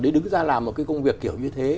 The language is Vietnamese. để đứng ra làm một công việc kiểu như thế